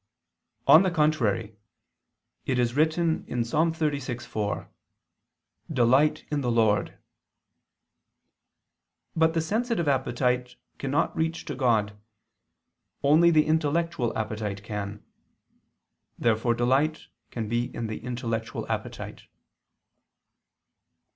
On the contrary, It is written (Ps. 36:4): "Delight in the Lord." But the sensitive appetite cannot reach to God; only the intellectual appetite can. Therefore delight can be in the intellectual appetite.